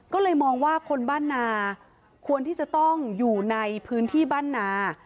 ก็เลยมองว่าคนบ้านนาควรที่จะต้องอยู่ในพื้นที่บ้านนา